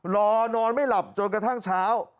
นอนไม่หลับจนกระทั่งเช้า